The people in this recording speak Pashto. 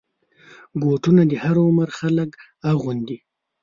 بوټونه د هر عمر خلک اغوندي.